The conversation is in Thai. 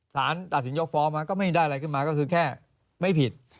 สารตัดสินยกฟ้องก็ไม่ได้อะไรขึ้นมาก็คือแค่ไม่ผิด